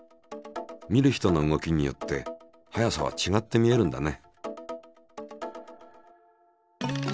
見る人の動きによって速さは違って見えるんだね。